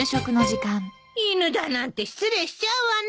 犬だなんて失礼しちゃうわね。